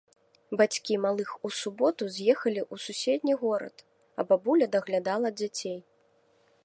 Бацькі малых у суботу з'ехалі ў суседні горад, а бабуля даглядала дзяцей.